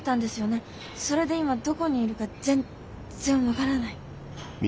それで今どこにいるか全然分からない。